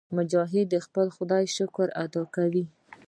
مجاهد د خپل خدای شکر ادا کوي.